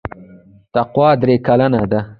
تقوا درې کلنه ده.